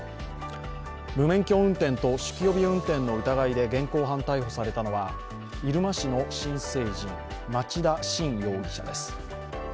無免許運転と酒気帯び運転の疑いで現行犯逮捕されたのは入間市の新成人、町田心容疑者です